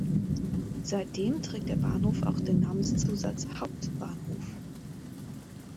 Seitdem trägt der Bahnhof auch den Namenszusatz "Hauptbahnhof".